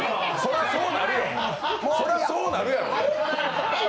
そりゃそうなるよ。